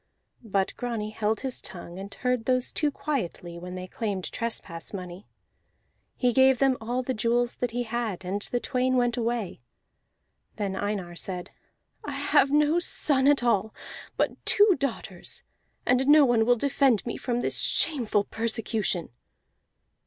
But Grani held his tongue and heard those two quietly when they claimed trespass money; he gave them all the jewels that he had, and the twain went away. Then Einar cried, "I have no son at all, but two daughters; and no one will defend me from this shameful persecution."